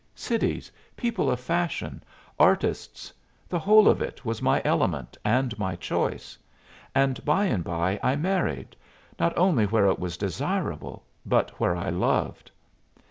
Cities, people of fashion, artists the whole of it was my element and my choice; and by and by I married, not only where it was desirable, but where I loved.